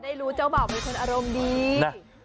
ได้รู้เจ้าบ่าวเป็นคนอารมณ์ดี